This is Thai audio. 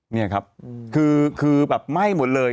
นี่ครับคือแบบไหม้หมดเลย